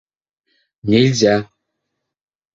Нельзя!